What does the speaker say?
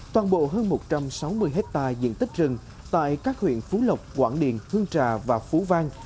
toàn bộ hơn một trăm sáu mươi hectare diện tích rừng tại các huyện phú lộc quảng điền hương trà và phú vang